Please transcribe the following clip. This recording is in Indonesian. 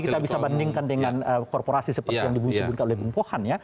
kita bisa bandingkan dengan korporasi seperti yang disebutkan oleh bung pohan ya